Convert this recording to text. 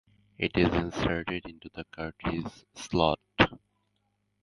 It is inserted into the Cartridge Slot.